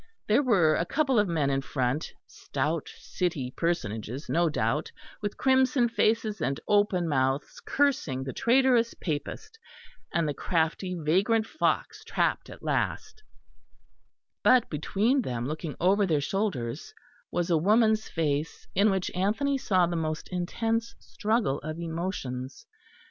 There were a couple of men in front, stout city personages no doubt, with crimson faces and open mouths cursing the traitorous Papist and the crafty vagrant fox trapped at last; but between them, looking over their shoulders, was a woman's face in which Anthony saw the most intense struggle of emotions.